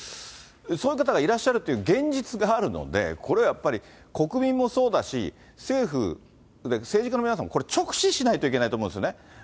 そういう方がいらっしゃるという現実があるので、これはやっぱり国民もそうだし、政府、政治家の皆さんも直視しないといけないと思うんですよね。